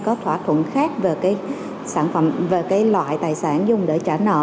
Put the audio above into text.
có thỏa thuận khác về loại tài sản dùng để trả nợ